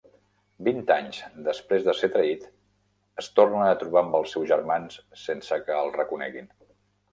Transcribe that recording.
Vint anys després de ser traït, es torna a trobar amb els seus germans sense que el reconeguin.